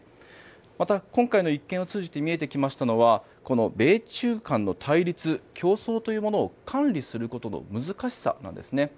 また、今回の一件を通じて見えてきたのは米中韓の対立競争というものを管理することの難しさなんですね。